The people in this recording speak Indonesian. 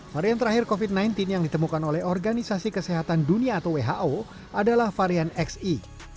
varian terakhir covid sembilan belas yang ditemukan oleh organisasi kesehatan dunia atau who adalah varian xe